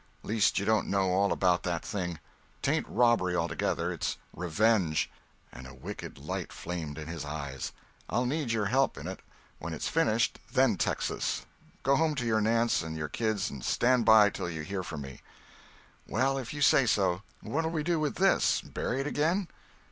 Least you don't know all about that thing. 'Tain't robbery altogether—it's revenge!" and a wicked light flamed in his eyes. "I'll need your help in it. When it's finished—then Texas. Go home to your Nance and your kids, and stand by till you hear from me." "Well—if you say so; what'll we do with this—bury it again?"